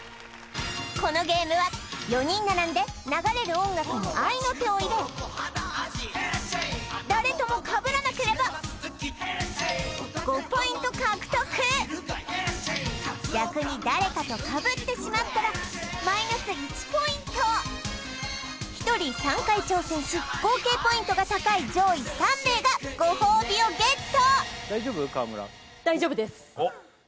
このゲームは４人並んで流れる音楽に合いの手を入れ誰ともかぶらなければ５ポイント獲得逆に誰かとかぶってしまったら−１ポイント１人３回挑戦し合計ポイントが高い上位３名がごほうびをゲット